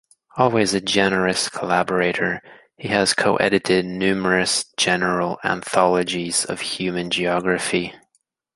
Always a generous collaborator, he has co-edited numerous general anthologies of human geography.